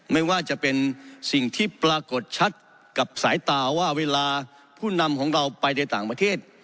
ไม่ว่าจะเป็นสิ่งที่ปรากฏชัดกับสายตาว่าเวลาผู้นำของเราไปในต่างประเทศ